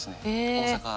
大阪。